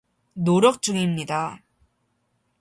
노력 중입니다.